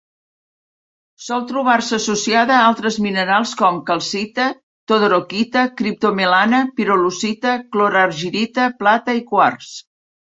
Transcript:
Sol trobar-se associada a altres minerals com: calcita, todorokita, criptomelana, pirolusita, clorargirita, plata i quars.